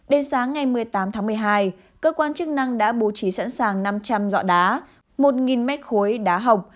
đến sáng ngày một mươi tám tháng một mươi hai cơ quan chức năng đã bố trí sẵn sàng năm trăm linh dọ đá một mét khối đá hộc